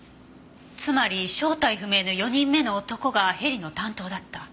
つまり正体不明の４人目の男がヘリの担当だった。